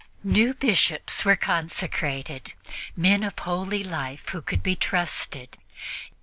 New Bishops were consecrated, men of holy life who could be trusted.